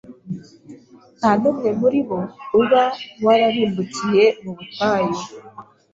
nta n’umwe muri bo uba wararimbukiye mu butayu.